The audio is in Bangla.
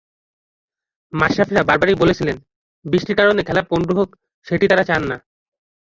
মাশরাফিরা বারবারই বলছিলেন, বৃষ্টির কারণে খেলা পণ্ড হোক সেটি তাঁরা চান না।